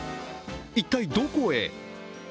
一体どこへ？